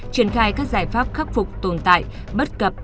triển khai các giải pháp khắc phục tồn tại bất cập